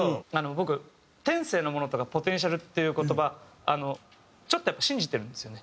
僕天性のものとかポテンシャルっていう言葉ちょっとやっぱ信じてるんですよね。